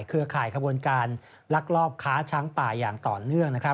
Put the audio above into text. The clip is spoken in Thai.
ข่ายขบวนการลักลอบค้าช้างป่าอย่างต่อเนื่อง